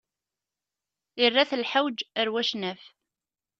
Irra-t lḥewj ar wacnaf.